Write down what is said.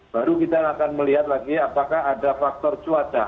baru kita akan melihat lagi apakah ada faktor cuaca